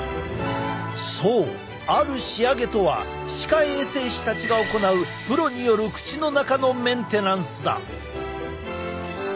そうある仕上げとは歯科衛生士たちが行うプロによる口の中のメンテナンスだ。